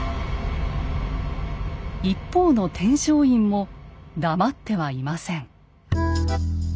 一方の天璋院も黙ってはいません。